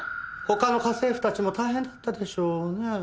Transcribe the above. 他の家政婦たちも大変だったでしょうね。